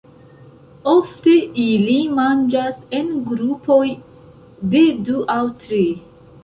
Ofte ili manĝas en grupoj de du aŭ tri.